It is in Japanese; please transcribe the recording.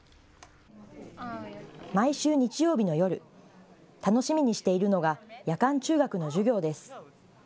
毎週日曜日の夜、楽しみにしているのが夜間中学の授業です。